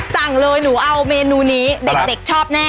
สั่งเลยหนูเอาเมนูนี้เด็กชอบแน่